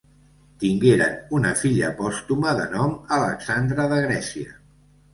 Tingueren una filla pòstuma de nom Alexandra de Grècia.